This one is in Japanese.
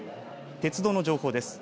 鉄道の情報です。